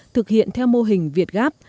thực hiện theo mô hình việt gắp